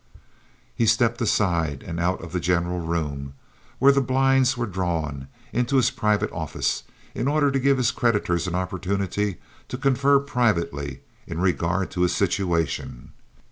He stepped aside and out of the general room, where the blinds were drawn, into his private office, in order to give his creditors an opportunity to confer privately in regard to his situation.